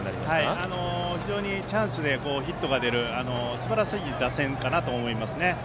非常にチャンスでヒットが出るすばらしい打線かと思います。